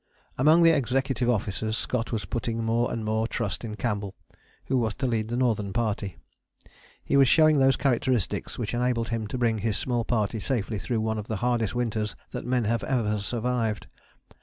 Among the executive officers Scott was putting more and more trust in Campbell, who was to lead the Northern Party. He was showing those characteristics which enabled him to bring his small party safely through one of the hardest winters that men have ever survived.